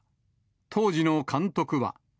当時の監督は。